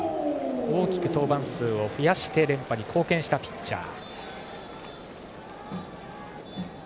大きく登板数を増やして連覇に貢献したピッチャー。